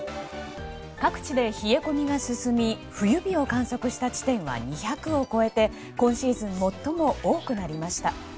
各地で冷え込みが進み冬日を観測した地点は２００を超えて今シーズン最も多くなりました。